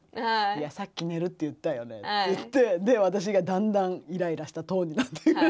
「いやさっき寝るって言ったよね」って言って私がだんだんイライラしたトーンになっていく。